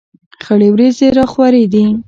خړې ورېځې را خورې دي.